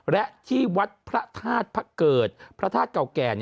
และที่วัดพระธาตุพระเกิดพระธาตุเก่าแก่